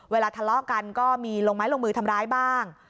เวลาทะเลาะกันก็มีลงไม้ลงมือทำร้ายบ้าง